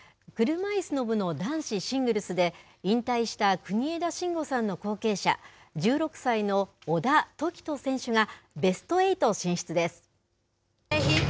車いすの部の男子シングルスで、引退した国枝慎吾さんの後継者、１６歳の小田凱人選手が、ベストエイト進出です。